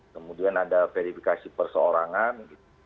kemudian ada verifikasi perseorangan